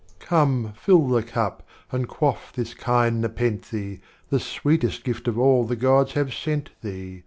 XV. Come fill the cup, and quaflE this kind Nepenthe, The Sweetest Gift of all the Gods have sent thee.